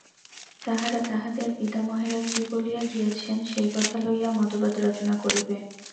তাহারা তাহাদের পিতামহেরা কি বলিয়া গিয়াছেন, সেই কথা লইয়া মতবাদ রচনা করিবে।